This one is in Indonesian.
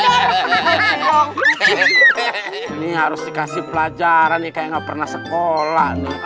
ini harus dikasih pelajaran ya kayak nggak pernah sekolah